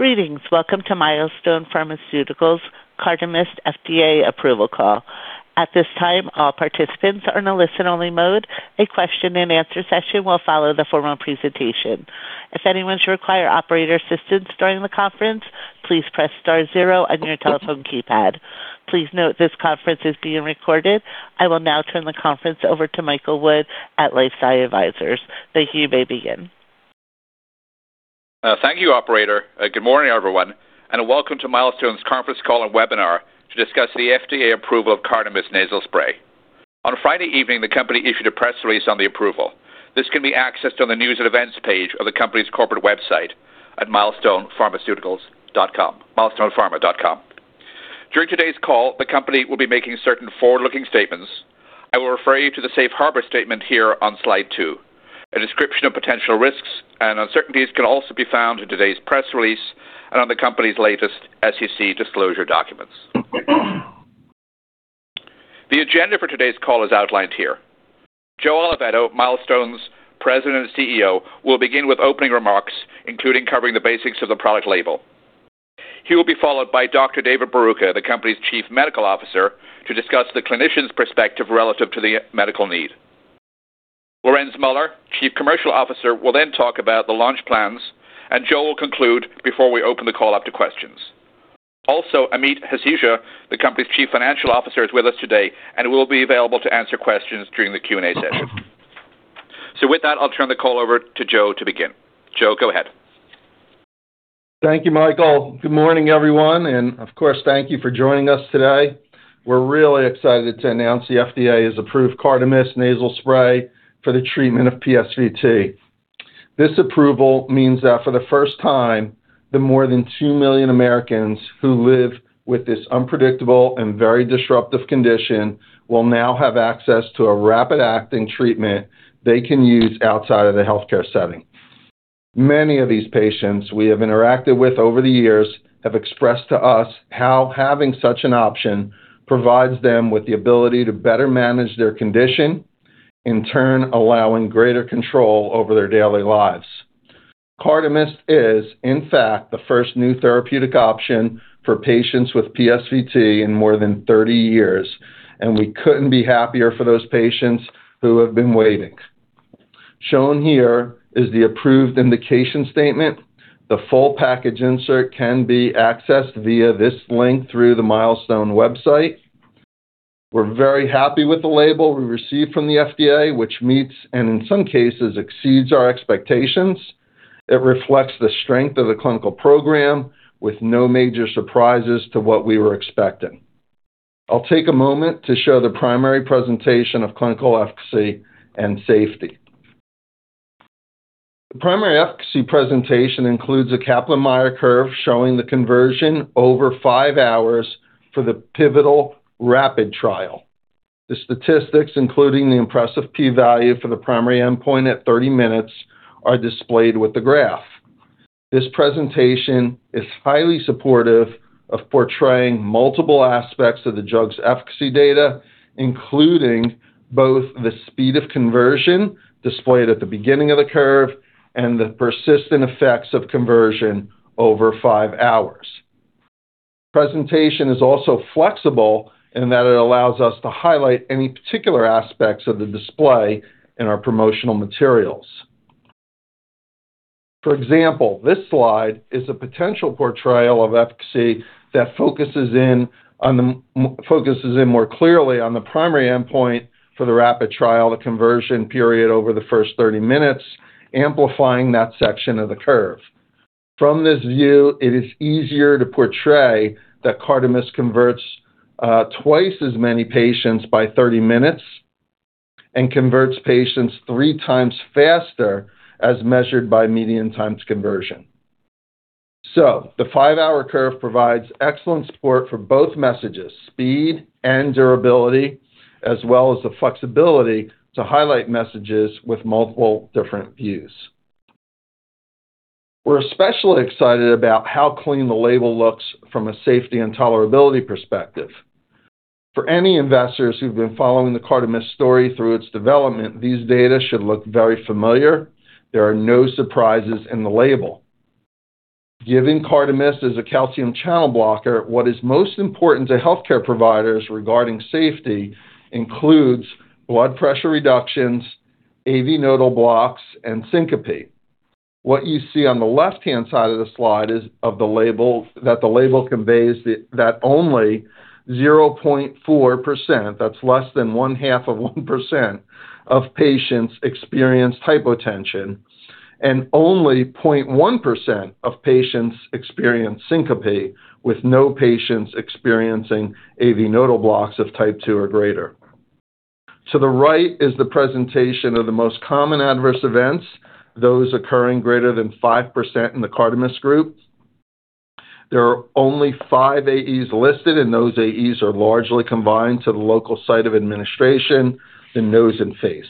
Greetings. Welcome to Milestone Pharmaceuticals' Cardamyst FDA Approval Call. At this time, all participants are in a listen-only mode. A question-and-answer session will follow the formal presentation. If anyone should require operator assistance during the conference, please press star zero on your telephone keypad. Please note this conference is being recorded. I will now turn the conference over to Michael Wood at LifeSci Advisors. The call may begin. Thank you, Operator. Good morning, everyone, and welcome to Milestone's conference call and webinar to discuss the FDA approval of Cardamyst nasal spray. On Friday evening, the company issued a press release on the approval. This can be accessed on the news and events page of the company's corporate website at milestonepharmaceuticals.com, milestonepharma.com. During today's call, the company will be making certain forward-looking statements. I will refer you to the safe harbor statement here on slide two. A description of potential risks and uncertainties can also be found in today's press release and on the company's latest SEC disclosure documents. The agenda for today's call is outlined here. Joe Oliveto, Milestone's President and CEO, will begin with opening remarks, including covering the basics of the product label. He will be followed by Dr. David Bharucha, the company's Chief Medical Officer, to discuss the clinician's perspective relative to the medical need. Lorenz Muller, Chief Commercial Officer, will then talk about the launch plans, and Joe will conclude before we open the call up to questions. Also, Amit Hasija, the company's Chief Financial Officer, is with us today and will be available to answer questions during the Q&A session. So with that, I'll turn the call over to Joe to begin. Joe, go ahead. Thank you, Michael. Good morning, everyone, and of course, thank you for joining us today. We're really excited to announce the FDA has approved Cardamyst nasal spray for the treatment of PSVT. This approval means that for the first time, the more than 2 million Americans who live with this unpredictable and very disruptive condition will now have access to a rapid-acting treatment they can use outside of the healthcare setting. Many of these patients we have interacted with over the years have expressed to us how having such an option provides them with the ability to better manage their condition, in turn allowing greater control over their daily lives. Cardamyst is, in fact, the first new therapeutic option for patients with PSVT in more than 30 years, and we couldn't be happier for those patients who have been waiting. Shown here is the approved indication statement. The full package insert can be accessed via this link through the Milestone website. We're very happy with the label we received from the FDA, which meets and in some cases exceeds our expectations. It reflects the strength of the clinical program with no major surprises to what we were expecting. I'll take a moment to show the primary presentation of clinical efficacy and safety. The primary efficacy presentation includes a Kaplan-Meier curve showing the conversion over five hours for the pivotal RAPID trial. The statistics, including the impressive p-value for the primary endpoint at 30 minutes, are displayed with the graph. This presentation is highly supportive of portraying multiple aspects of the drug's efficacy data, including both the speed of conversion displayed at the beginning of the curve and the persistent effects of conversion over five hours. The presentation is also flexible in that it allows us to highlight any particular aspects of the display in our promotional materials. For example, this slide is a potential portrayal of efficacy that focuses in more clearly on the primary endpoint for the RAPID trial, the conversion period over the first 30 minutes, amplifying that section of the curve. From this view, it is easier to portray that Cardamyst converts twice as many patients by 30 minutes and converts patients three times faster as measured by median times conversion. So the five-hour curve provides excellent support for both messages, speed and durability, as well as the flexibility to highlight messages with multiple different views. We're especially excited about how clean the label looks from a safety and tolerability perspective. For any investors who've been following the Cardamyst story through its development, these data should look very familiar. There are no surprises in the label. Given Cardamyst is a calcium channel blocker, what is most important to healthcare providers regarding safety includes blood pressure reductions, AV nodal blocks, and syncope. What you see on the left-hand side of the slide is from the label that the label conveys that only 0.4%, that's less than one half of 1% of patients experienced hypotension, and only 0.1% of patients experienced syncope with no patients experiencing AV nodal blocks of Type II or greater. To the right is the presentation of the most common adverse events, those occurring greater than 5% in the Cardamyst group. There are only five AEs listed, and those AEs are largely confined to the local site of administration, the nose and face.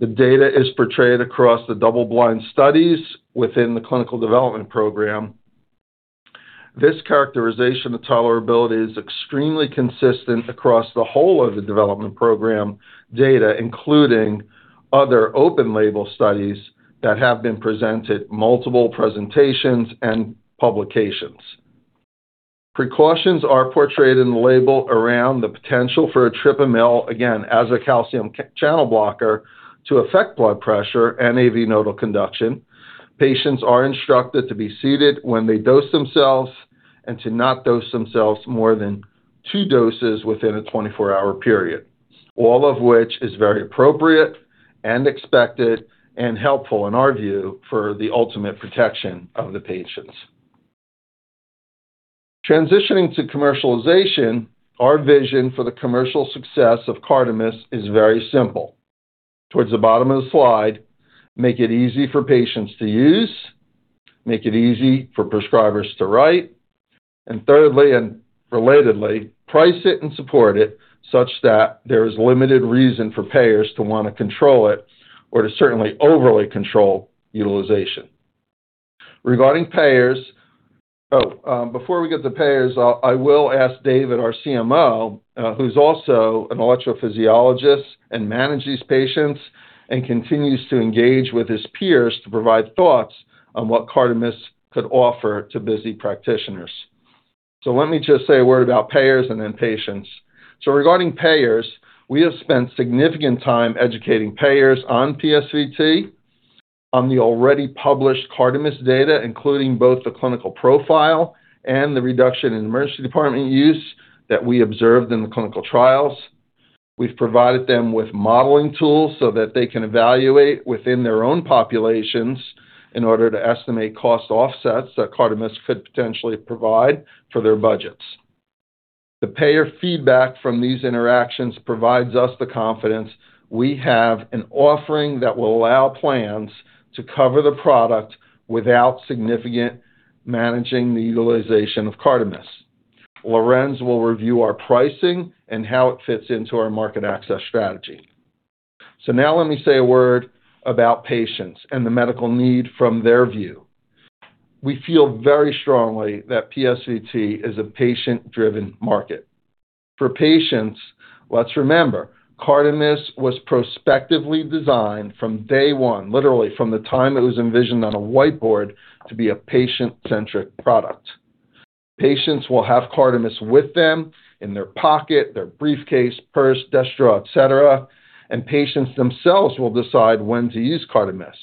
The data is portrayed across the double-blind studies within the clinical development program. This characterization of tolerability is extremely consistent across the whole of the development program data, including other open label studies that have been presented multiple presentations and publications. Precautions are portrayed in the label around the potential for etripamil, again, as a calcium channel blocker, to affect blood pressure and AV nodal conduction. Patients are instructed to be seated when they dose themselves and to not dose themselves more than two doses within a 24-hour period, all of which is very appropriate and expected and helpful in our view for the ultimate protection of the patients. Transitioning to commercialization, our vision for the commercial success of Cardamyst is very simple. Towards the bottom of the slide, make it easy for patients to use, make it easy for prescribers to write, and thirdly, and relatedly, price it and support it such that there is limited reason for payers to want to control it or to certainly overly control utilization. Regarding payers, before we get to payers, I will ask David, our CMO, who's also an electrophysiologist and manages patients and continues to engage with his peers to provide thoughts on what Cardamyst could offer to busy practitioners, so let me just say a word about payers and then patients, so regarding payers, we have spent significant time educating payers on PSVT, on the already published Cardamyst data, including both the clinical profile and the reduction in emergency department use that we observed in the clinical trials. We've provided them with modeling tools so that they can evaluate within their own populations in order to estimate cost offsets that Cardamyst could potentially provide for their budgets. The payer feedback from these interactions provides us the confidence we have in offering that will allow plans to cover the product without significant managing the utilization of Cardamyst. Lorenz will review our pricing and how it fits into our market access strategy. So now let me say a word about patients and the medical need from their view. We feel very strongly that PSVT is a patient-driven market. For patients, let's remember, Cardamyst was prospectively designed from day one, literally from the time it was envisioned on a whiteboard, to be a patient-centric product. Patients will have Cardamyst with them in their pocket, their briefcase, purse, desk drawer, etc., and patients themselves will decide when to use Cardamyst.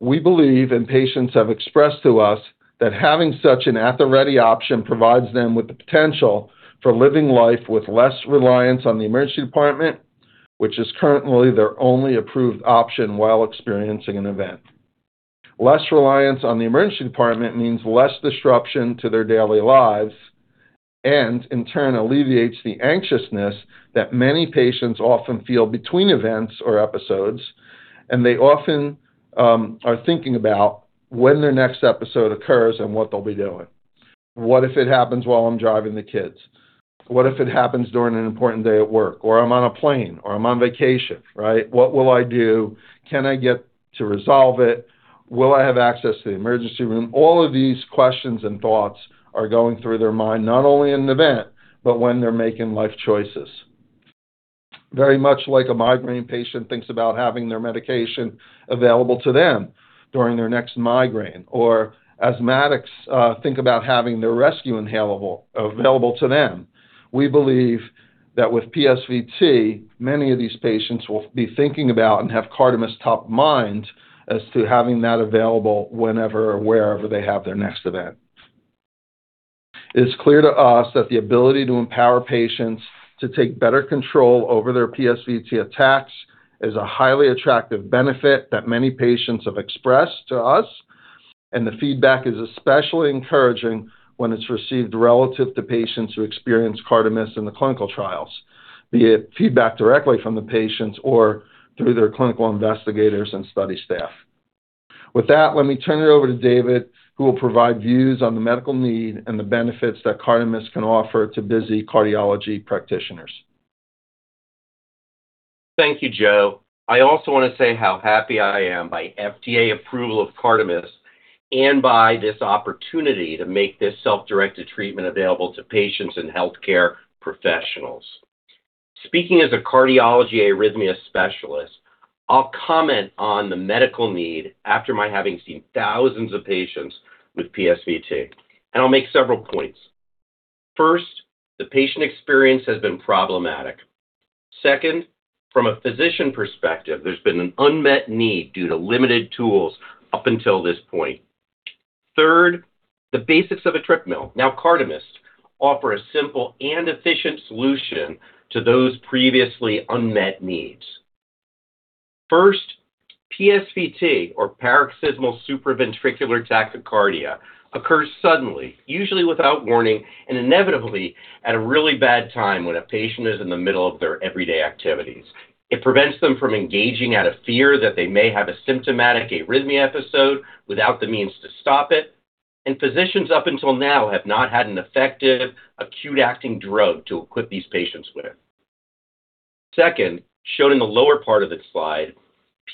We believe, and patients have expressed to us, that having such an at-the-ready option provides them with the potential for living life with less reliance on the emergency department, which is currently their only approved option while experiencing an event. Less reliance on the emergency department means less disruption to their daily lives and, in turn, alleviates the anxiousness that many patients often feel between events or episodes, and they often are thinking about when their next episode occurs and what they'll be doing. What if it happens while I'm driving the kids? What if it happens during an important day at work, or I'm on a plane, or I'm on vacation, right? What will I do? Can I get to resolve it? Will I have access to the emergency room? All of these questions and thoughts are going through their mind, not only in an event, but when they're making life choices. Very much like a migraine patient thinks about having their medication available to them during their next migraine, or asthmatics think about having their rescue inhaler available to them. We believe that with PSVT, many of these patients will be thinking about and have Cardamyst top of mind as to having that available whenever or wherever they have their next event. It's clear to us that the ability to empower patients to take better control over their PSVT attacks is a highly attractive benefit that many patients have expressed to us, and the feedback is especially encouraging when it's received relative to patients who experience Cardamyst in the clinical trials, be it feedback directly from the patients or through their clinical investigators and study staff. With that, let me turn it over to David Bharucha, who will provide views on the medical need and the benefits that Cardamyst can offer to busy cardiology practitioners. Thank you, Joe. I also want to say how happy I am by FDA approval of Cardamyst and by this opportunity to make this self-directed treatment available to patients and healthcare professionals. Speaking as a cardiology arrhythmia specialist, I'll comment on the medical need after my having seen thousands of patients with PSVT, and I'll make several points. First, the patient experience has been problematic. Second, from a physician perspective, there's been an unmet need due to limited tools up until this point. Third, the basics of etripamil. Now, Cardamyst offers a simple and efficient solution to those previously unmet needs. First, PSVT, or paroxysmal supraventricular tachycardia, occurs suddenly, usually without warning, and inevitably at a really bad time when a patient is in the middle of their everyday activities. It prevents them from engaging out of fear that they may have a symptomatic arrhythmia episode without the means to stop it, and physicians up until now have not had an effective acute-acting drug to equip these patients with. Second, shown in the lower part of the slide,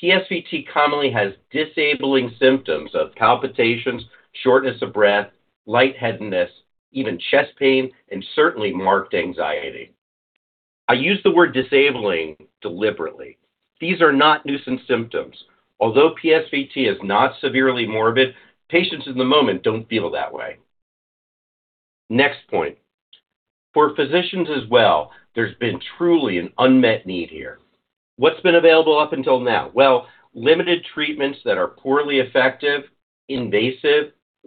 PSVT commonly has disabling symptoms of palpitations, shortness of breath, lightheadedness, even chest pain, and certainly marked anxiety. I use the word disabling deliberately. These are not nuisance symptoms. Although PSVT is not severely morbid, patients in the moment don't feel that way. Next point. For physicians as well, there's been truly an unmet need here. What's been available up until now? Well, limited treatments that are poorly effective,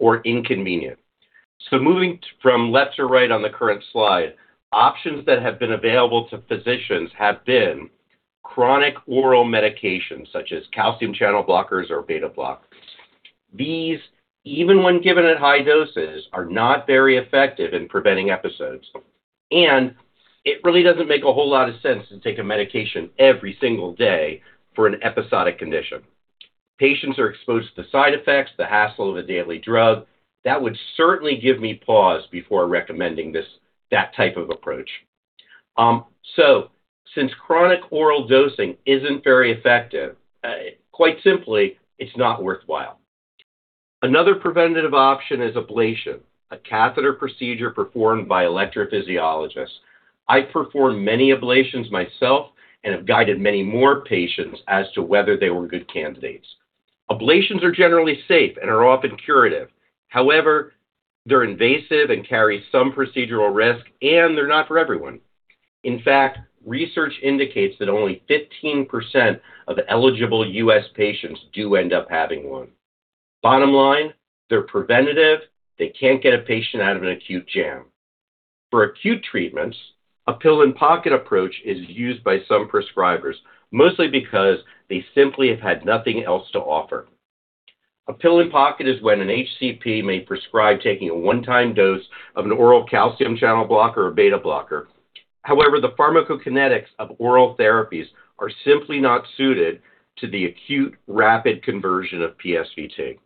invasive, or inconvenient. So moving from left to right on the current slide, options that have been available to physicians have been chronic oral medications such as calcium channel blockers or beta blockers. These, even when given at high doses, are not very effective in preventing episodes, and it really doesn't make a whole lot of sense to take a medication every single day for an episodic condition. Patients are exposed to the side effects, the hassle of a daily drug. That would certainly give me pause before recommending that type of approach. So since chronic oral dosing isn't very effective, quite simply, it's not worthwhile. Another preventative option is ablation, a catheter procedure performed by electrophysiologists. I've performed many ablations myself and have guided many more patients as to whether they were good candidates. Ablations are generally safe and are often curative. However, they're invasive and carry some procedural risk, and they're not for everyone. In fact, research indicates that only 15% of eligible U.S. patients do end up having one. Bottom line, they're preventative. They can't get a patient out of an acute jam. For acute treatments, a pill-in-pocket approach is used by some prescribers, mostly because they simply have had nothing else to offer. A pill-in-pocket is when an HCP may prescribe taking a one-time dose of an oral calcium channel blocker or beta blocker. However, the pharmacokinetics of oral therapies are simply not suited to the acute rapid conversion of PSVT.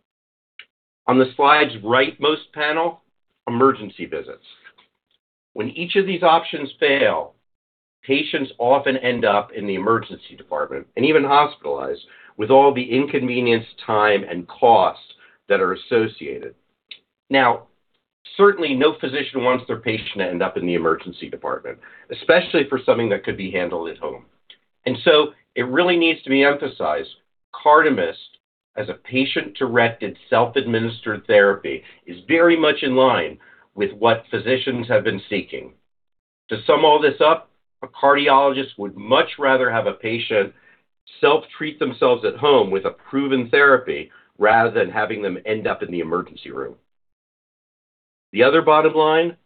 On the slide's rightmost panel, emergency visits. When each of these options fail, patients often end up in the emergency department and even hospitalized with all the inconvenience, time, and costs that are associated. Now, certainly, no physician wants their patient to end up in the emergency department, especially for something that could be handled at home. And so it really needs to be emphasized, Cardamyst, as a patient-directed self-administered therapy, is very much in line with what physicians have been seeking. To sum all this up, a cardiologist would much rather have a patient self-treat themselves at home with a proven therapy rather than having them end up in the emergency room. The other bottom line,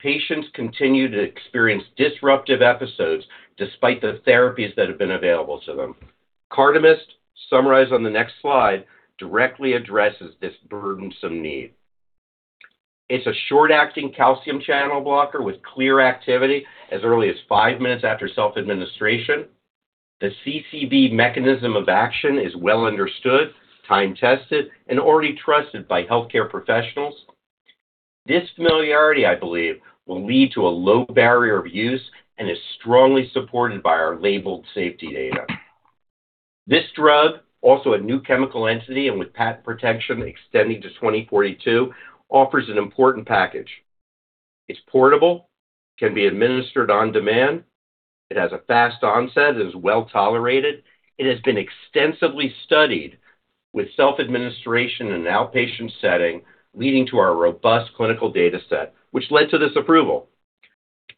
patients continue to experience disruptive episodes despite the therapies that have been available to them. Cardamyst, summarized on the next slide, directly addresses this burdensome need. It's a short-acting calcium channel blocker with clear activity as early as five minutes after self-administration. The CCB mechanism of action is well understood, time-tested, and already trusted by healthcare professionals. This familiarity, I believe, will lead to a low barrier of use and is strongly supported by our labeled safety data. This drug, also a new chemical entity and with patent protection extending to 2042, offers an important package. It's portable, can be administered on demand, it has a fast onset, it is well tolerated, it has been extensively studied with self-administration in an outpatient setting, leading to our robust clinical data set, which led to this approval.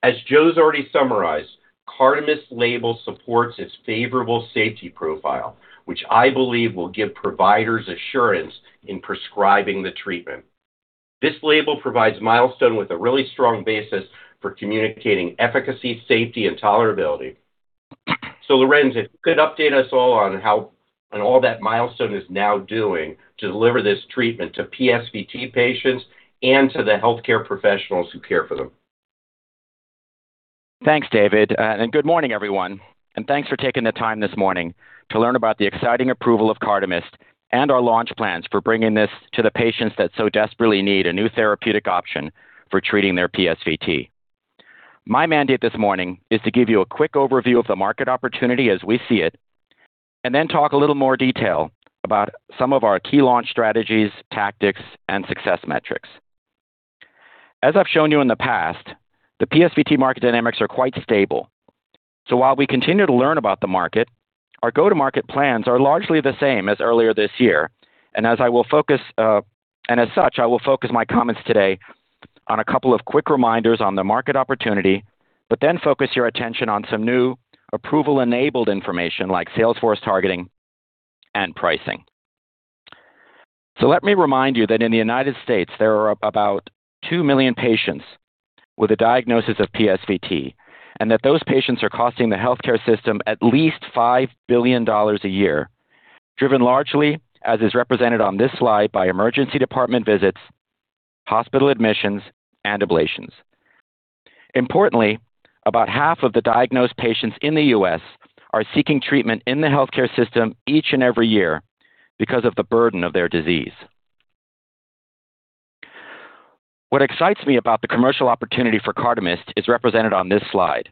As Joe's already summarized, Cardamyst label supports its favorable safety profile, which I believe will give providers assurance in prescribing the treatment. This label provides Milestone with a really strong basis for communicating efficacy, safety, and tolerability. So Lorenz, if you could update us all on how and all that Milestone is now doing to deliver this treatment to PSVT patients and to the healthcare professionals who care for them. Thanks, David. And good morning, everyone. And thanks for taking the time this morning to learn about the exciting approval of Cardamyst and our launch plans for bringing this to the patients that so desperately need a new therapeutic option for treating their PSVT. My mandate this morning is to give you a quick overview of the market opportunity as we see it, and then talk a little more detail about some of our key launch strategies, tactics, and success metrics. As I've shown you in the past, the PSVT market dynamics are quite stable. So while we continue to learn about the market, our go-to-market plans are largely the same as earlier this year. As such, I will focus my comments today on a couple of quick reminders on the market opportunity, but then focus your attention on some new approval-enabled information like Salesforce targeting and pricing. Let me remind you that in the United States, there are about 2 million patients with a diagnosis of PSVT, and that those patients are costing the healthcare system at least $5 billion a year, driven largely, as is represented on this slide, by emergency department visits, hospital admissions, and ablations. Importantly, about half of the diagnosed patients in the U.S. are seeking treatment in the healthcare system each and every year because of the burden of their disease. What excites me about the commercial opportunity for Cardamyst is represented on this slide.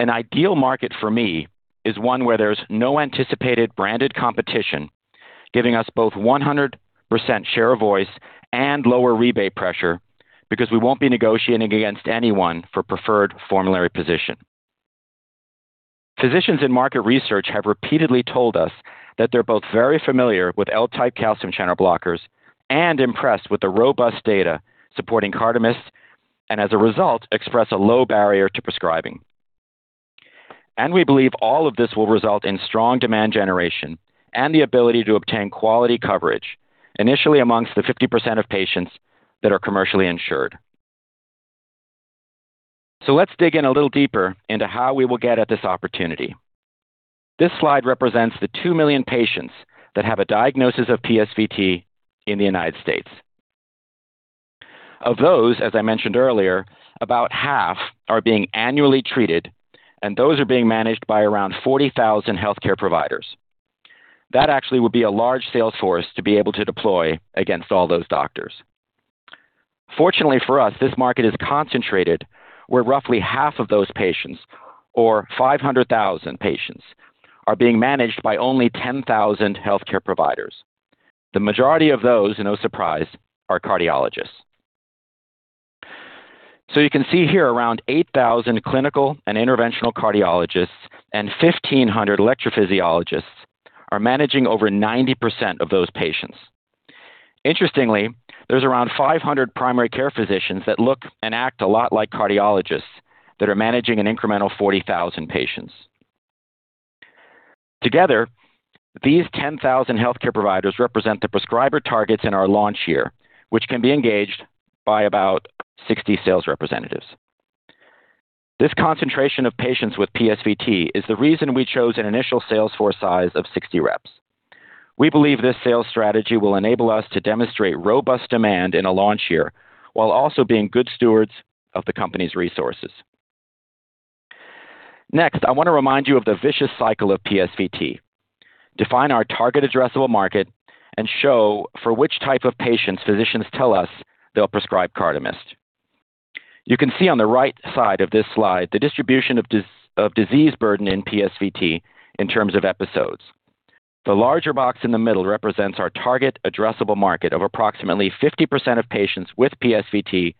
An ideal market for me is one where there's no anticipated branded competition, giving us both 100% share of voice and lower rebate pressure because we won't be negotiating against anyone for preferred formulary position. Physicians in market research have repeatedly told us that they're both very familiar with L-type calcium channel blockers and impressed with the robust data supporting Cardamyst, and as a result, express a low barrier to prescribing, and we believe all of this will result in strong demand generation and the ability to obtain quality coverage, initially amongst the 50% of patients that are commercially insured, so let's dig in a little deeper into how we will get at this opportunity. This slide represents the two million patients that have a diagnosis of PSVT in the United States. Of those, as I mentioned earlier, about half are being annually treated, and those are being managed by around 40,000 healthcare providers. That actually would be a large sales force to be able to deploy against all those doctors. Fortunately for us, this market is concentrated where roughly half of those patients, or 500,000 patients, are being managed by only 10,000 healthcare providers. The majority of those, and no surprise, are cardiologists. So you can see here around 8,000 clinical and interventional cardiologists and 1,500 electrophysiologists are managing over 90% of those patients. Interestingly, there's around 500 primary care physicians that look and act a lot like cardiologists that are managing an incremental 40,000 patients. Together, these 10,000 healthcare providers represent the prescriber targets in our launch year, which can be engaged by about 60 sales representatives. This concentration of patients with PSVT is the reason we chose an initial sales force size of 60 reps. We believe this sales strategy will enable us to demonstrate robust demand in a launch year while also being good stewards of the company's resources. Next, I want to remind you of the vicious cycle of PSVT. Define our target addressable market and show for which type of patients physicians tell us they'll prescribe Cardamyst. You can see on the right side of this slide the distribution of disease burden in PSVT in terms of episodes. The larger box in the middle represents our target addressable market of approximately 50% of patients with PSVT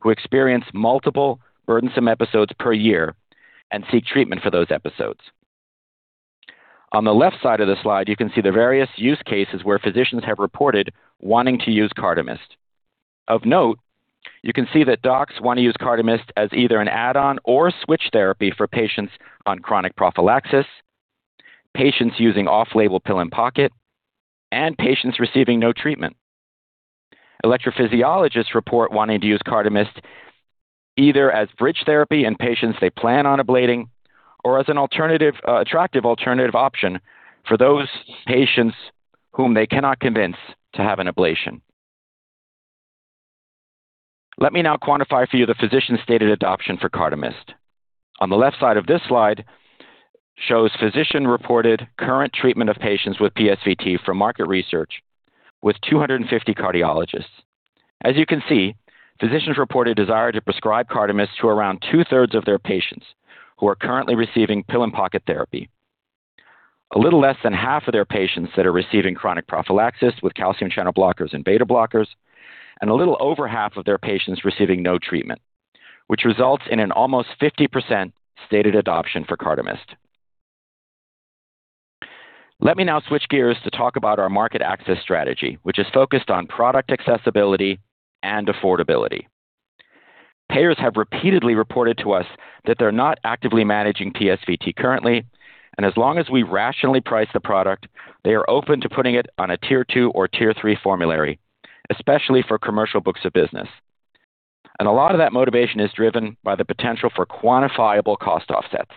who experience multiple burdensome episodes per year and seek treatment for those episodes. On the left side of the slide, you can see the various use cases where physicians have reported wanting to use Cardamyst. Of note, you can see that docs want to use Cardamyst as either an add-on or switch therapy for patients on chronic prophylaxis, patients using off-label pill-in-pocket, and patients receiving no treatment. Electrophysiologists report wanting to use Cardamyst either as bridge therapy in patients they plan on ablating or as an attractive alternative option for those patients whom they cannot convince to have an ablation. Let me now quantify for you the physician-stated adoption for Cardamyst. On the left side of this slide shows physician-reported current treatment of patients with PSVT from market research with 250 cardiologists. As you can see, physicians report a desire to prescribe Cardamyst to around two-thirds of their patients who are currently receiving pill-in-pocket therapy, a little less than half of their patients that are receiving chronic prophylaxis with calcium channel blockers and beta blockers, and a little over half of their patients receiving no treatment, which results in an almost 50% stated adoption for Cardamyst. Let me now switch gears to talk about our market access strategy, which is focused on product accessibility and affordability. Payers have repeatedly reported to us that they're not actively managing PSVT currently, and as long as we rationally price the product, they are open to putting it on a Tier 2 or Tier 3 formulary, especially for commercial books of business, and a lot of that motivation is driven by the potential for quantifiable cost offsets.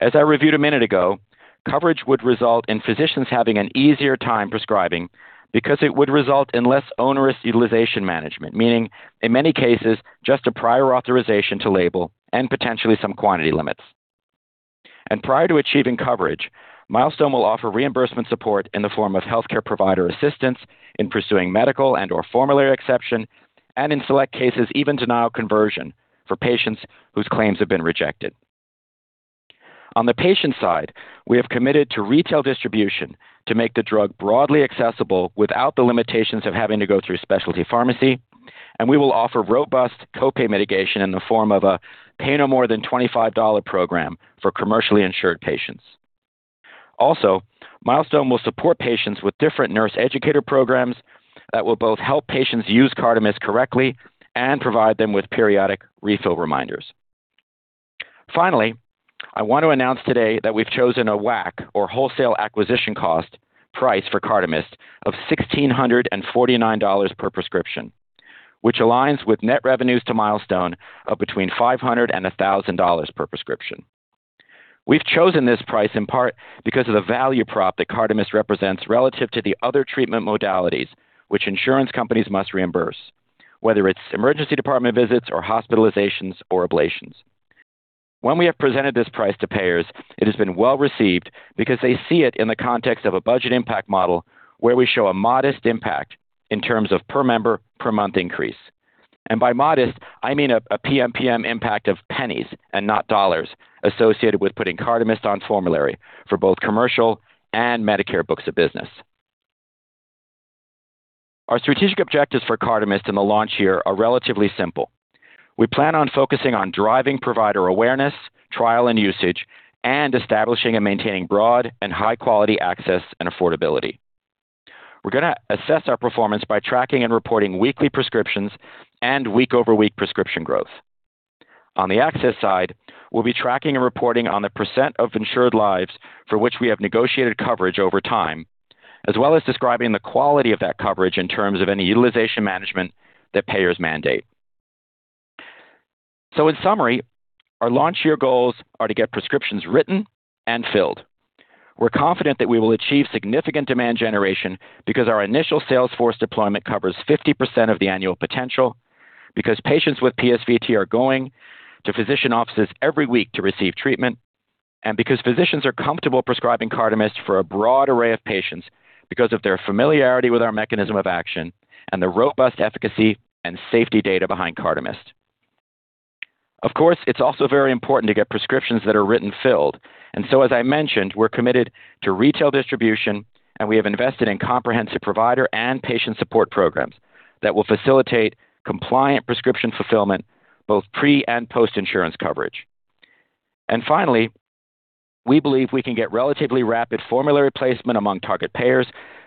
As I reviewed a minute ago, coverage would result in physicians having an easier time prescribing because it would result in less onerous utilization management, meaning in many cases, just a prior authorization to label and potentially some quantity limits, and prior to achieving coverage, Milestone will offer reimbursement support in the form of healthcare provider assistance in pursuing medical and/or formulary exception, and in select cases, even denial conversion for patients whose claims have been rejected. On the patient side, we have committed to retail distribution to make the drug broadly accessible without the limitations of having to go through specialty pharmacy, and we will offer robust copay mitigation in the form of a pay-no-more-than-$25 program for commercially insured patients. Also, Milestone will support patients with different nurse educator programs that will both help patients use Cardamyst correctly and provide them with periodic refill reminders. Finally, I want to announce today that we've chosen a WAC, or wholesale acquisition cost, price for Cardamyst of $1,649 per prescription, which aligns with net revenues to Milestone of between $500 and $1,000 per prescription. We've chosen this price in part because of the value prop that Cardamyst represents relative to the other treatment modalities which insurance companies must reimburse, whether it's emergency department visits or hospitalizations or ablations. When we have presented this price to payers, it has been well received because they see it in the context of a budget impact model where we show a modest impact in terms of per member per month increase, and by modest, I mean a PMPM impact of pennies and not dollars associated with putting Cardamyst on formulary for both commercial and Medicare books of business. Our strategic objectives for Cardamyst in the launch year are relatively simple. We plan on focusing on driving provider awareness, trial and usage, and establishing and maintaining broad and high-quality access and affordability. We're going to assess our performance by tracking and reporting weekly prescriptions and week-over-week prescription growth. On the access side, we'll be tracking and reporting on the percent of insured lives for which we have negotiated coverage over time, as well as describing the quality of that coverage in terms of any utilization management that payers mandate. So in summary, our launch year goals are to get prescriptions written and filled. We're confident that we will achieve significant demand generation because our initial sales force deployment covers 50% of the annual potential, because patients with PSVT are going to physician offices every week to receive treatment, and because physicians are comfortable prescribing Cardamyst for a broad array of patients because of their familiarity with our mechanism of action and the robust efficacy and safety data behind Cardamyst. Of course, it's also very important to get prescriptions that are written and filled. And so, as I mentioned, we're committed to retail distribution, and we have invested in comprehensive provider and patient support programs that will facilitate compliant prescription fulfillment, both pre and post-insurance coverage. And finally, we believe we can get relatively rapid formulary placement among target payers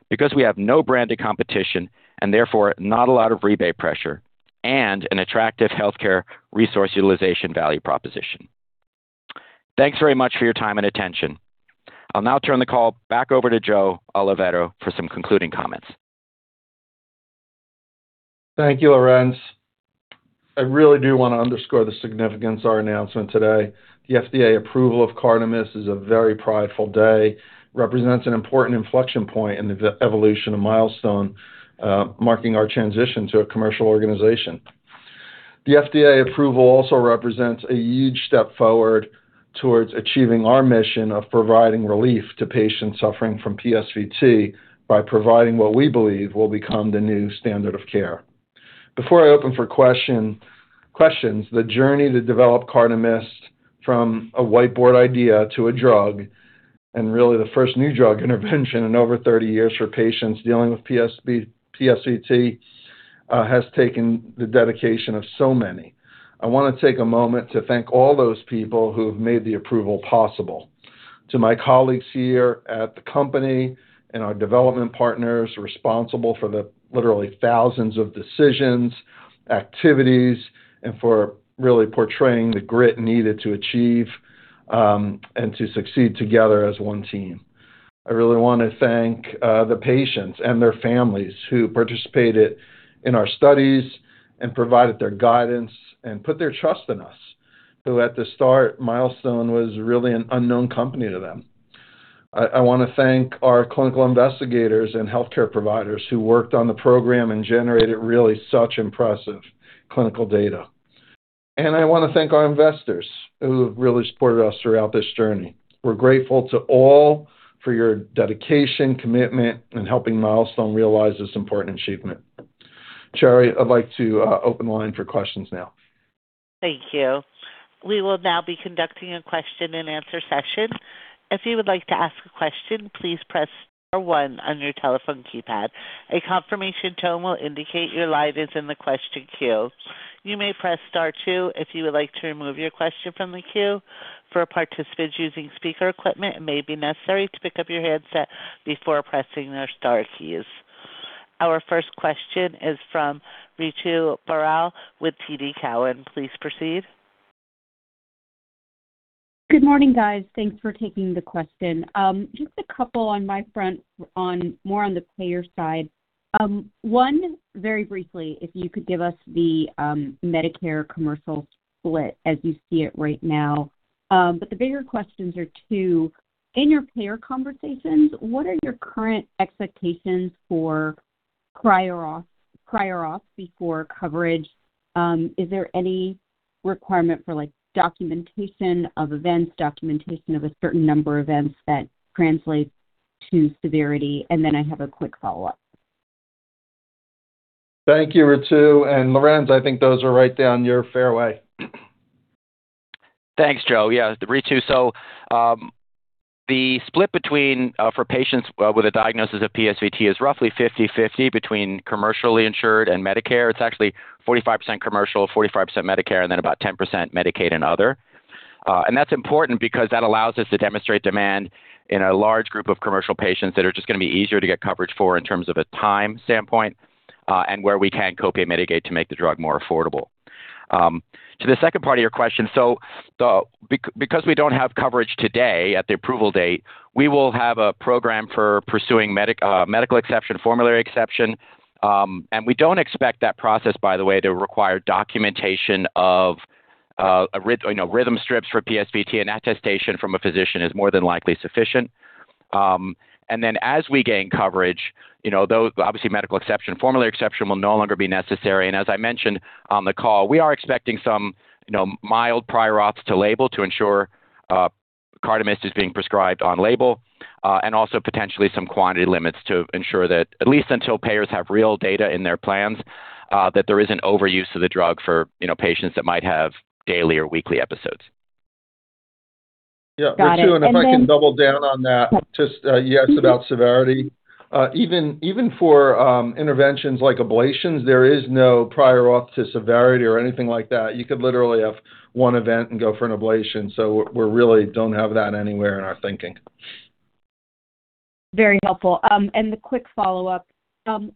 because we have no branded competition and therefore not a lot of rebate pressure and an attractive healthcare resource utilization value proposition. Thanks very much for your time and attention. I'll now turn the call back over to Joe Oliveto for some concluding comments. Thank you, Lorenz. I really do want to underscore the significance of our announcement today. The FDA approval of Cardamyst is a very prideful day, represents an important inflection point in the evolution of Milestone, marking our transition to a commercial organization. The FDA approval also represents a huge step forward towards achieving our mission of providing relief to patients suffering from PSVT by providing what we believe will become the new standard of care. Before I open for questions, the journey to develop Cardamyst from a whiteboard idea to a drug, and really the first new drug intervention in over 30 years for patients dealing with PSVT, has taken the dedication of so many. I want to take a moment to thank all those people who have made the approval possible, to my colleagues here at the company and our development partners responsible for the literally thousands of decisions, activities, and for really portraying the grit needed to achieve and to succeed together as one team. I really want to thank the patients and their families who participated in our studies and provided their guidance and put their trust in us, who at the start, Milestone was really an unknown company to them. I want to thank our clinical investigators and healthcare providers who worked on the program and generated really such impressive clinical data. I want to thank our investors who have really supported us throughout this journey. We're grateful to all for your dedication, commitment, and helping Milestone realize this important achievement. Cheri, I'd like to open the line for questions now. Thank you. We will now be conducting a question-and-answer session. If you would like to ask a question, please press star one on your telephone keypad. A confirmation tone will indicate your line is in the question queue. You may press star two if you would like to remove your question from the queue. For participants using speaker equipment, it may be necessary to pick up your headset before pressing the Star keys. Our first question is from Rachel Vatnsdal with TD Cowen. Please proceed. Good morning, guys. Thanks for taking the question. Just a couple on my front, more on the payer side. One, very briefly, if you could give us the Medicare commercial split as you see it right now. But the bigger questions are two. In your payer conversations, what are your current expectations for prior auth before coverage? Is there any requirement for documentation of events, documentation of a certain number of events that translates to severity? And then I have a quick follow-up. Thank you, Rachel. And Lorenz, I think those are right down your fairway. Thanks, Joe. Yeah, Rachel. So the split for patients with a diagnosis of PSVT is roughly 50/50 between commercially insured and Medicare. It's actually 45% commercial, 45% Medicare, and then about 10% Medicaid and other. And that's important because that allows us to demonstrate demand in a large group of commercial patients that are just going to be easier to get coverage for in terms of a time standpoint and where we can copay mitigate to make the drug more affordable. To the second part of your question, so because we don't have coverage today at the approval date, we will have a program for pursuing medical exception, formulary exception. And we don't expect that process, by the way, to require documentation of rhythm strips for PSVT, and attestation from a physician is more than likely sufficient. Then as we gain coverage, obviously, medical exception, formulary exception will no longer be necessary. As I mentioned on the call, we are expecting some mild prior auth to label to ensure Cardamyst is being prescribed on label, and also potentially some quantity limits to ensure that at least until payers have real data in their plans, that there isn't overuse of the drug for patients that might have daily or weekly episodes. Yeah. Rachel, and if I can double down on that, just yes about severity. Even for interventions like ablations, there is no prior auth to severity or anything like that. You could literally have one event and go for an ablation. So we really don't have that anywhere in our thinking. Very helpful. And the quick follow-up,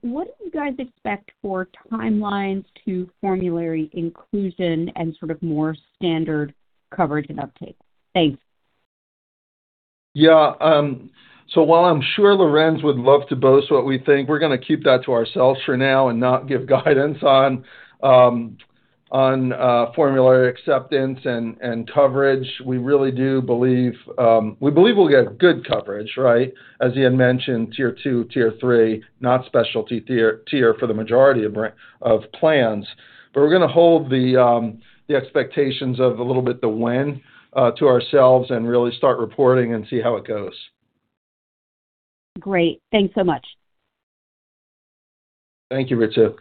what do you guys expect for timelines to formulary inclusion and sort of more standard coverage and uptake? Thanks. Yeah. So while I'm sure Lorenz would love to boast what we think, we're going to keep that to ourselves for now and not give guidance on formulary acceptance and coverage. We really do believe we'll get good coverage, right? As Lorenz mentioned, Tier 2, Tier 3, not specialty tier for the majority of plans. But we're going to hold the expectations of a little bit the win to ourselves and really start reporting and see how it goes. Great. Thanks so much. Thank you, Rachel.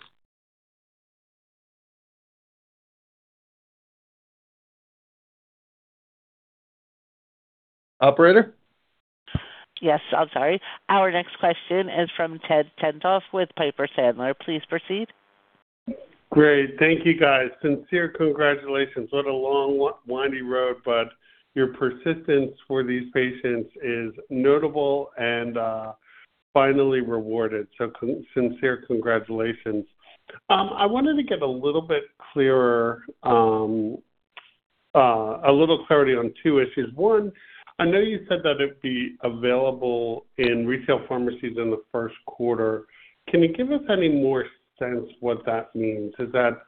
Operator? Yes, I'm sorry. Our next question is from Ted Tenthoff with Piper Sandler. Please proceed. Great. Thank you, guys. Sincere congratulations. What a long, winding road, but your persistence for these patients is notable and finally rewarded. So sincere congratulations. I wanted to get a little bit clearer, a little clarity on two issues. One, I know you said that it'd be available in retail pharmacies in the first quarter. Can you give us any more sense what that means? Is that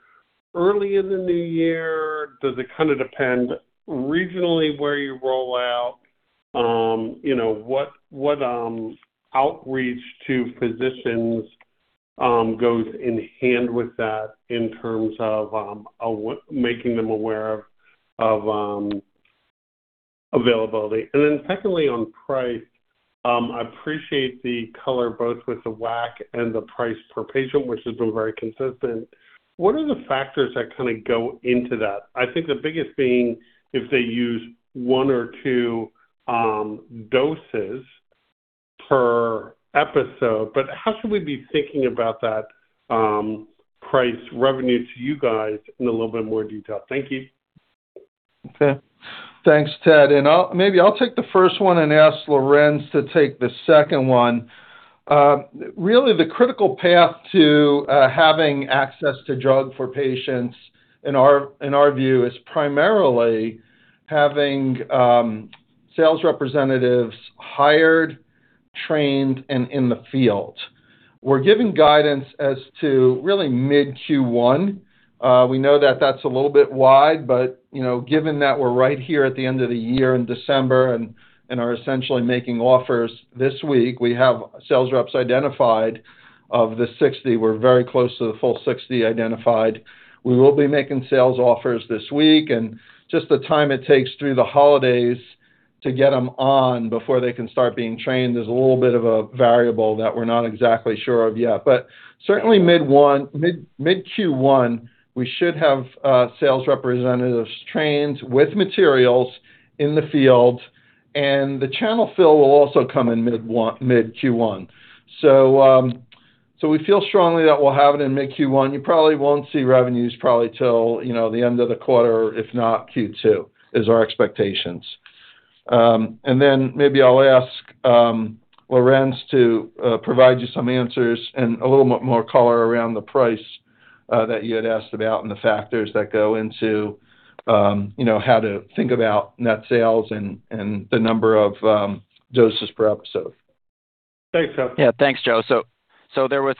early in the new year? Does it kind of depend regionally where you roll out? What outreach to physicians goes in hand with that in terms of making them aware of availability? And then secondly, on price, I appreciate the color both with the WAC and the price per patient, which has been very consistent. What are the factors that kind of go into that? I think the biggest being if they use one or two doses per episode. But how should we be thinking about that price revenue to you guys in a little bit more detail? Thank you. Okay. Thanks, Ted. And maybe I'll take the first one and ask Lorenz to take the second one. Really, the critical path to having access to drug for patients, in our view, is primarily having sales representatives hired, trained, and in the field. We're giving guidance as to really mid-Q1. We know that that's a little bit wide, but given that we're right here at the end of the year in December and are essentially making offers this week, we have sales reps identified of the 60. We're very close to the full 60 identified. We will be making sales offers this week. And just the time it takes through the holidays to get them on before they can start being trained is a little bit of a variable that we're not exactly sure of yet. But certainly mid-Q1, we should have sales representatives trained with materials in the field. The channel fill will also come in mid-Q1. We feel strongly that we'll have it in mid-Q1. You probably won't see revenues till the end of the quarter, if not Q2, is our expectations. Then maybe I'll ask Lorenz to provide you some answers and a little bit more color around the price that you had asked about and the factors that go into how to think about net sales and the number of doses per episode. Thanks, Joe. Yeah, thanks, Joe. So there were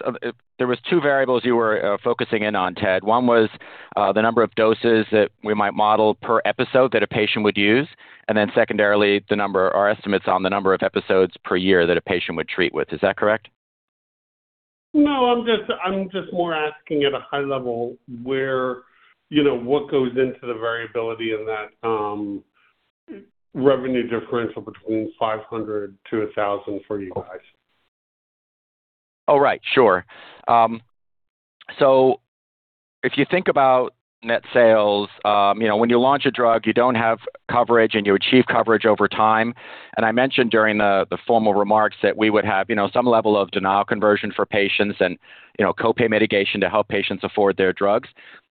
two variables you were focusing in on, Ted. One was the number of doses that we might model per episode that a patient would use, and then secondarily, our estimates on the number of episodes per year that a patient would treat with. Is that correct? No, I'm just more asking at a high level what goes into the variability in that revenue differential between $500-$1,000 for you guys. Oh, right. Sure. So if you think about net sales, when you launch a drug, you don't have coverage, and you achieve coverage over time. And I mentioned during the formal remarks that we would have some level of denial conversion for patients and copay mitigation to help patients afford their drugs.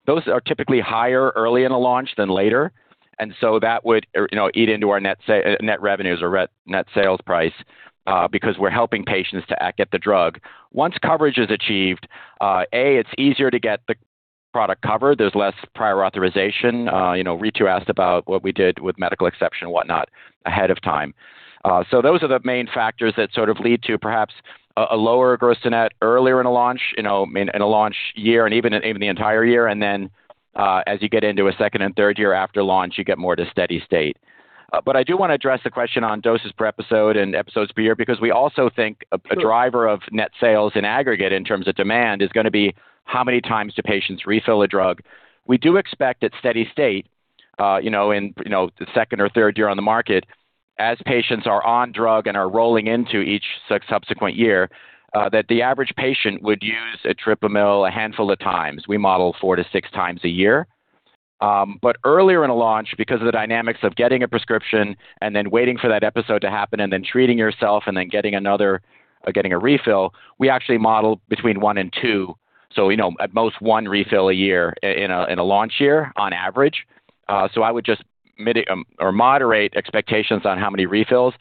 Those are typically higher early in a launch than later. And so that would eat into our net revenues or net sales price because we're helping patients to get the drug. Once coverage is achieved, A, it's easier to get the product covered. There's less prior authorization. Rachel asked about what we did with medical exception and whatnot ahead of time. So those are the main factors that sort of lead to perhaps a lower gross net earlier in a launch year and even the entire year. As you get into a second and third year after launch, you get more to steady state. But I do want to address the question on doses per episode and episodes per year because we also think a driver of net sales in aggregate in terms of demand is going to be how many times do patients refill a drug. We do expect at steady state in the second or third year on the market, as patients are on drug and are rolling into each subsequent year, that the average patient would use etripamil a handful of times. We model four to six times a year. But earlier in a launch, because of the dynamics of getting a prescription and then waiting for that episode to happen and then treating yourself and then getting a refill, we actually model between one and two. So at most one refill a year in a launch year on average. So I would just moderate expectations on how many refills.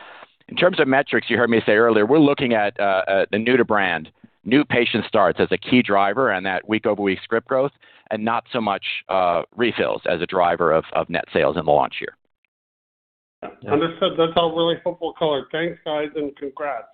In terms of metrics, you heard me say earlier, we're looking at the new-to-brand, new patient starts as a key driver and that week-over-week script growth, and not so much refills as a driver of net sales in the launch year. Understood. That's all really helpful color. Thanks, guys, and congrats.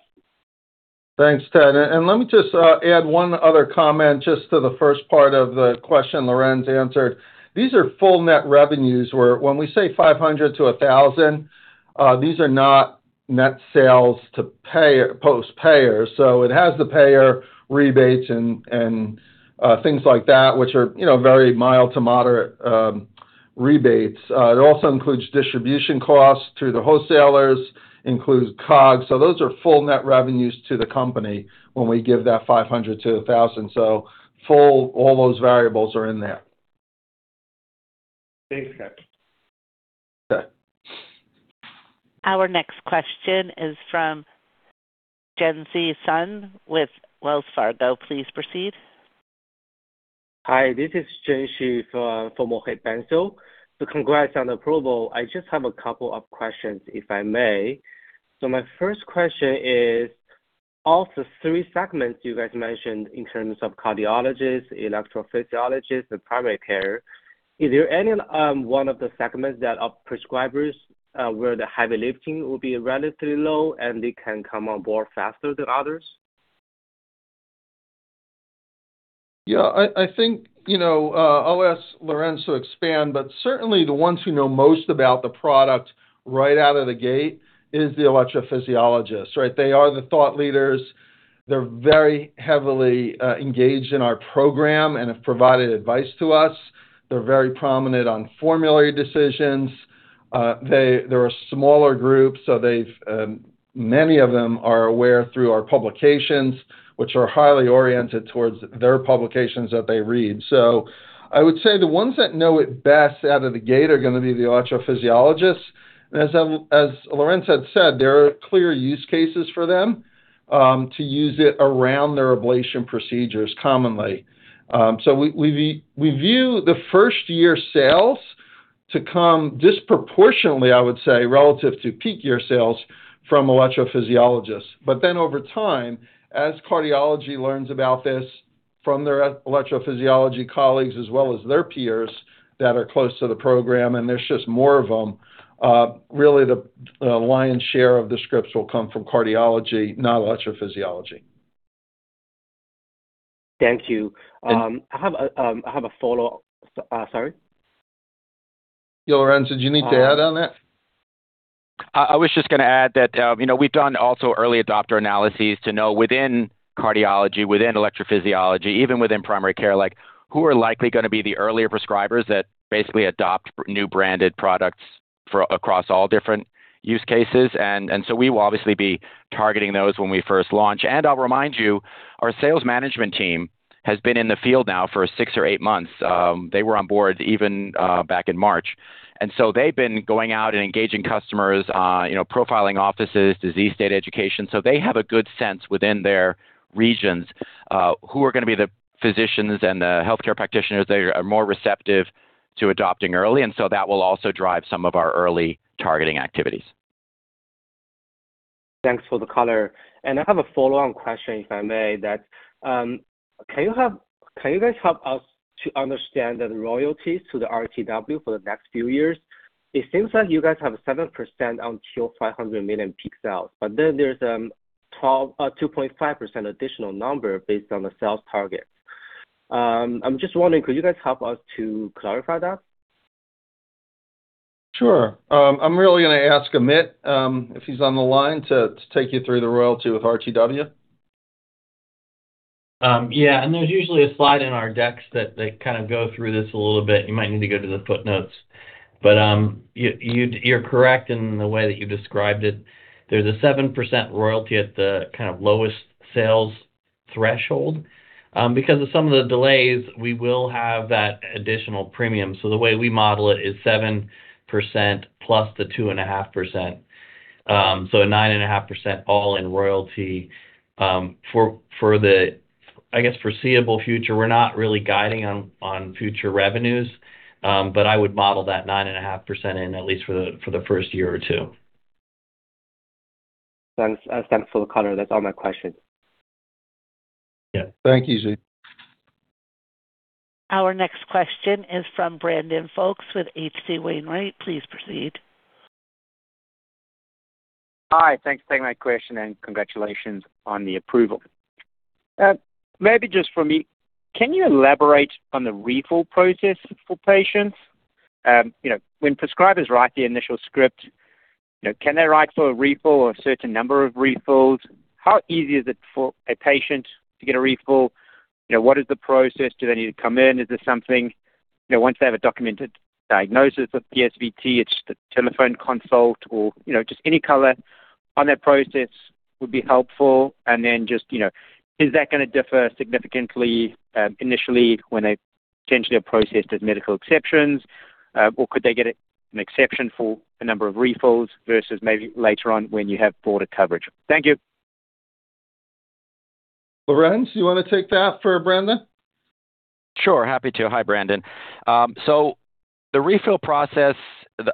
Thanks, Ted. And let me just add one other comment just to the first part of the question Lorenz answered. These are full net revenues where when we say $500-$1,000, these are not net sales to payers. So it has the payer rebates and things like that, which are very mild to moderate rebates. It also includes distribution costs to the wholesalers, includes COGS. So those are full net revenues to the company when we give that $500-$1,000. So all those variables are in there. Thanks, guys. Okay. Our next question is from Jinzi Wu with Wells Fargo. Please proceed. Hi, this is Jinzi Wu for Mohit Bansal. Congrats on the approval. I just have a couple of questions, if I may. So my first question is, of the three segments you guys mentioned in terms of cardiologists, electrophysiologists, and primary care, is there any one of the segments that prescribers where the heavy lifting will be relatively low and they can come on board faster than others? Yeah. I think I'll ask Lorenz to expand, but certainly the ones who know most about the product right out of the gate is the electrophysiologists, right? They are the thought leaders. They're very heavily engaged in our program and have provided advice to us. They're very prominent on formulary decisions. They're a smaller group, so many of them are aware through our publications, which are highly oriented towards their publications that they read, so I would say the ones that know it best out of the gate are going to be the electrophysiologists, and as Lorenz had said, there are clear use cases for them to use it around their ablation procedures commonly, so we view the first-year sales to come disproportionately, I would say, relative to peak-year sales from electrophysiologists. But then over time, as cardiology learns about this from their electrophysiology colleagues as well as their peers that are close to the program, and there's just more of them, really the lion's share of the scripts will come from cardiology, not electrophysiology. Thank you. I have a follow-up. Sorry? Yeah, Lorenz, did you need to add on that? I was just going to add that we've done also early adopter analyses to know within cardiology, within electrophysiology, even within primary care, who are likely going to be the earlier prescribers that basically adopt new branded products across all different use cases. And so we will obviously be targeting those when we first launch. And I'll remind you, our sales management team has been in the field now for six or eight months. They were on board even back in March. And so they've been going out and engaging customers, profiling offices, disease state education. So they have a good sense within their regions who are going to be the physicians and the healthcare practitioners that are more receptive to adopting early. And so that will also drive some of our early targeting activities. Thanks for the color. And I have a follow-on question, if I may, that can you guys help us to understand the royalties to the RTW for the next few years? It seems like you guys have 7% on up to $500 million in sales, but then there's a 2.5% additional number based on the sales target. I'm just wondering, could you guys help us to clarify that? Sure. I'm really going to ask Amit if he's on the line to take you through the royalty with RTW. Yeah. And there's usually a slide in our decks that kind of goes through this a little bit. You might need to go to the footnotes. But you're correct in the way that you described it. There's a 7% royalty at the kind of lowest sales threshold. Because of some of the delays, we will have that additional premium. So the way we model it is 7% plus the 2.5%. So a 9.5% all in royalty for the, I guess, foreseeable future. We're not really guiding on future revenues, but I would model that 9.5% in at least for the first year or two. Thanks for the color. That's all my questions. Yeah. Thank you, Jinzi. Our next question is from Brandon Folkes with H.C. Wainwright. Please proceed. Hi. Thanks for taking my question and congratulations on the approval. Maybe just for me, can you elaborate on the refill process for patients? When prescribers write the initial script, can they write for a refill or a certain number of refills? How easy is it for a patient to get a refill? What is the process? Do they need to come in? Is there something once they have a documented diagnosis of PSVT, it's just a telephone consult or just any color on that process would be helpful? And then just, is that going to differ significantly initially when they potentially are processed as medical exceptions? Or could they get an exception for a number of refills versus maybe later on when you have broader coverage? Thank you. Lorenz, do you want to take that for Brandon? Sure. Happy to. Hi, Brandon, so the refill process,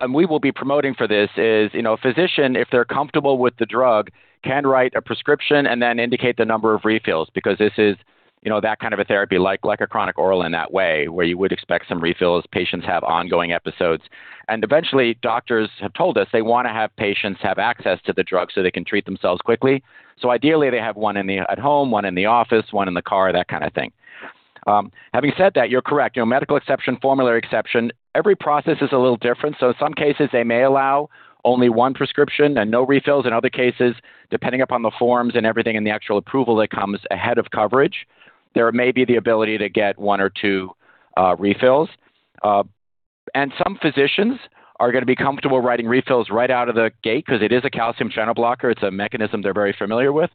and we will be promoting for this, is a physician, if they're comfortable with the drug, can write a prescription and then indicate the number of refills because this is that kind of a therapy, like a chronic oral in that way, where you would expect some refills. Patients have ongoing episodes, and eventually, doctors have told us they want to have patients have access to the drug so they can treat themselves quickly, so ideally, they have one at home, one in the office, one in the car, that kind of thing. Having said that, you're correct. Medical exception, formulary exception, every process is a little different, so in some cases, they may allow only one prescription and no refills. In other cases, depending upon the forms and everything and the actual approval that comes ahead of coverage, there may be the ability to get one or two refills, and some physicians are going to be comfortable writing refills right out of the gate because it is a calcium channel blocker. It's a mechanism they're very familiar with.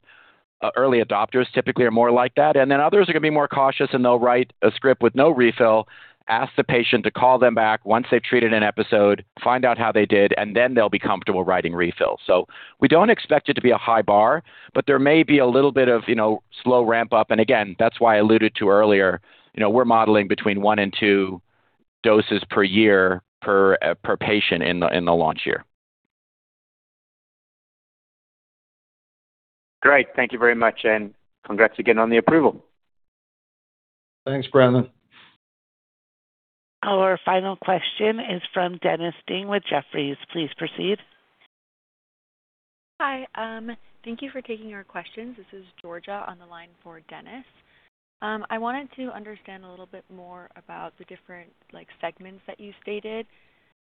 Early adopters typically are more like that, and then others are going to be more cautious, and they'll write a script with no refill, ask the patient to call them back once they've treated an episode, find out how they did, and then they'll be comfortable writing refills, so we don't expect it to be a high bar, but there may be a little bit of slow ramp-up, and again, that's why I alluded to earlier. We're modeling between one and two doses per year per patient in the launch year. Great. Thank you very much, and congrats again on the approval. Thanks, Brandon. Our final question is from Dennis Ding with Jefferies. Please proceed. Hi. Thank you for taking our questions. This is Georgia on the line for Dennis. I wanted to understand a little bit more about the different segments that you stated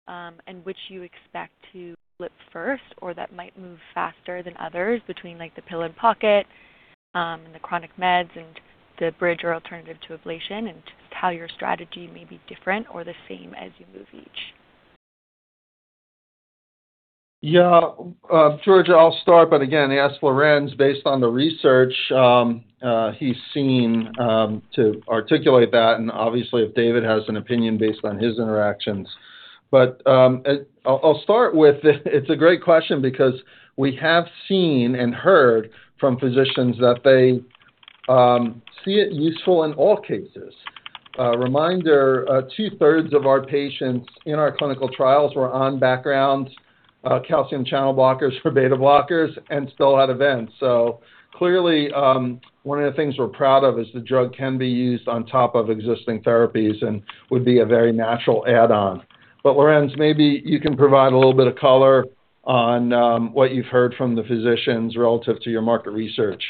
and which you expect to flip first or that might move faster than others between the pill-in-pocket and the chronic meds and the bridge or alternative to ablation and just how your strategy may be different or the same as you move each? Yeah. Georgia, I'll start. But again, I asked Lorenz based on the research he's seen to articulate that. And obviously, if David has an opinion based on his interactions. But I'll start with it's a great question because we have seen and heard from physicians that they see it useful in all cases. Reminder, two-thirds of our patients in our clinical trials were on background calcium channel blockers or beta blockers and still had events. So clearly, one of the things we're proud of is the drug can be used on top of existing therapies and would be a very natural add-on. But Lorenz, maybe you can provide a little bit of color on what you've heard from the physicians relative to your market research.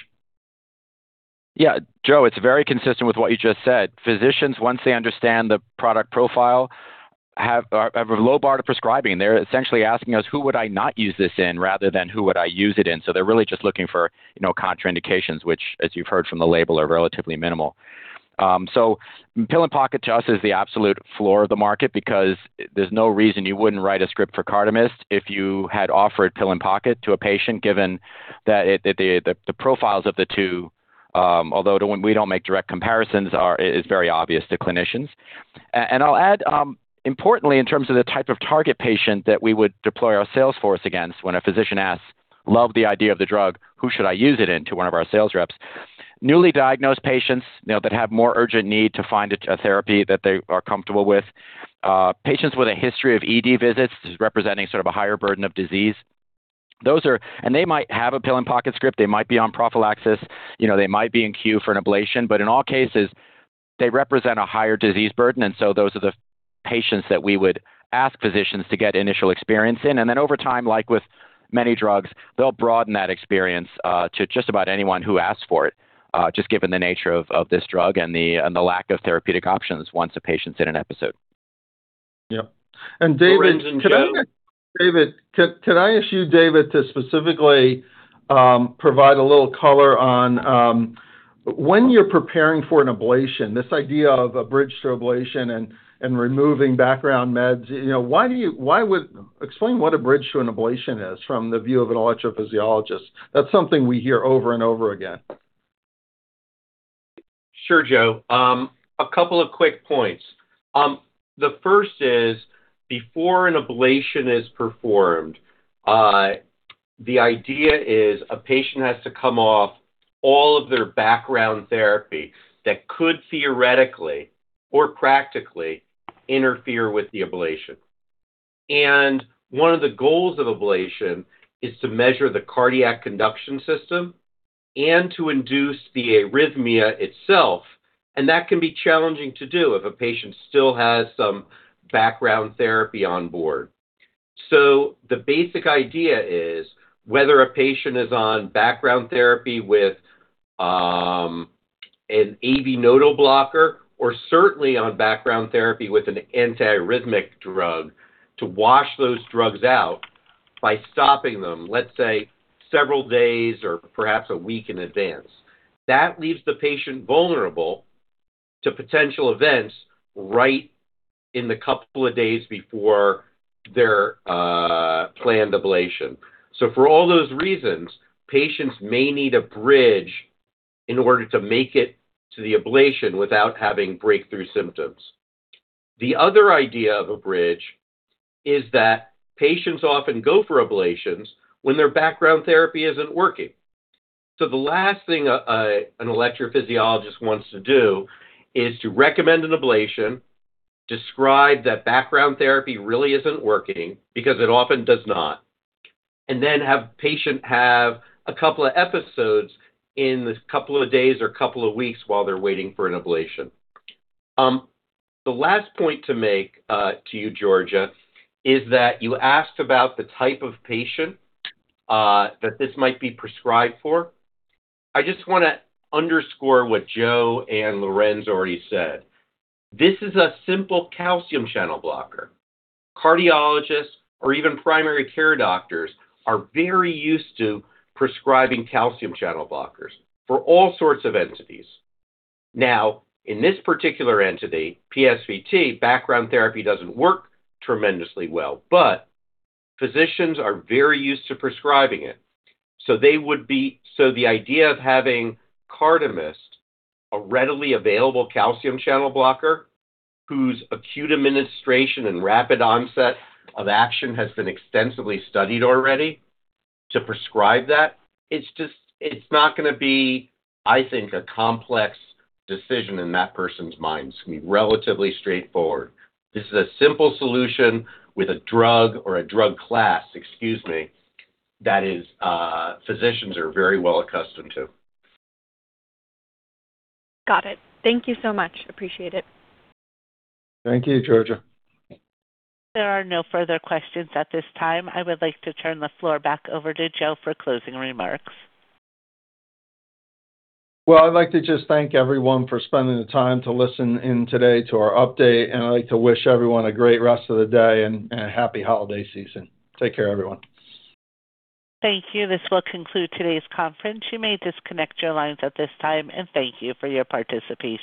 Yeah. Joe, it's very consistent with what you just said. Physicians, once they understand the product profile, have a low bar to prescribing. They're essentially asking us, "Who would I not use this in?" rather than, "Who would I use it in?" So they're really just looking for contraindications, which, as you've heard from the label, are relatively minimal. So pill-in-pocket to us is the absolute floor of the market because there's no reason you wouldn't write a script for Cardamyst if you had offered pill-in-pocket to a patient given that the profiles of the two, although we don't make direct comparisons, are very obvious to clinicians. And I'll add, importantly, in terms of the type of target patient that we would deploy our sales force against when a physician asks, "Love the idea of the drug. Who should I use it in?" to one of our sales reps. Newly diagnosed patients that have more urgent need to find a therapy that they are comfortable with. Patients with a history of ED visits representing sort of a higher burden of disease. And they might have a pill-in-pocket script. They might be on prophylaxis. They might be in queue for an ablation. But in all cases, they represent a higher disease burden. And so those are the patients that we would ask physicians to get initial experience in. And then over time, like with many drugs, they'll broaden that experience to just about anyone who asks for it, just given the nature of this drug and the lack of therapeutic options once a patient's in an episode. Yeah. And David. Joe. David, can I ask you, David, to specifically provide a little color on when you're preparing for an ablation, this idea of a bridge to ablation and removing background meds, why would explain what a bridge to an ablation is from the view of an electrophysiologist? That's something we hear over and over again. Sure, Joe. A couple of quick points. The first is, before an ablation is performed, the idea is a patient has to come off all of their background therapy that could theoretically or practically interfere with the ablation. And one of the goals of ablation is to measure the cardiac conduction system and to induce the arrhythmia itself. And that can be challenging to do if a patient still has some background therapy on board. So the basic idea is whether a patient is on background therapy with an AV nodal blocker or certainly on background therapy with an antiarrhythmic drug to wash those drugs out by stopping them, let's say, several days or perhaps a week in advance. That leaves the patient vulnerable to potential events right in the couple of days before their planned ablation. So for all those reasons, patients may need a bridge in order to make it to the ablation without having breakthrough symptoms. The other idea of a bridge is that patients often go for ablations when their background therapy isn't working. So the last thing an electrophysiologist wants to do is to recommend an ablation, describe that background therapy really isn't working because it often does not, and then have the patient have a couple of episodes in the couple of days or couple of weeks while they're waiting for an ablation. The last point to make to you, Georgia, is that you asked about the type of patient that this might be prescribed for. I just want to underscore what Joe and Lorenz already said. This is a simple calcium channel blocker. Cardiologists or even primary care doctors are very used to prescribing calcium channel blockers for all sorts of indications. Now, in this particular indication, PSVT, background therapy doesn't work tremendously well, but physicians are very used to prescribing it. So the idea of having Cardamyst, a readily available calcium channel blocker whose acute administration and rapid onset of action has been extensively studied already, to prescribe that, it's not going to be, I think, a complex decision in that person's mind. It's going to be relatively straightforward. This is a simple solution with a drug or a drug class, excuse me, that physicians are very well accustomed to. Got it. Thank you so much. Appreciate it. Thank you, Georgia. There are no further questions at this time. I would like to turn the floor back over to Joe for closing remarks. I'd like to just thank everyone for spending the time to listen in today to our update. I'd like to wish everyone a great rest of the day and a happy holiday season. Take care, everyone. Thank you. This will conclude today's conference. You may disconnect your lines at this time and thank you for your participation.